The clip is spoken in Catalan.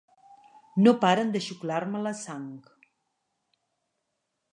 No paren de xuclar-me la sang!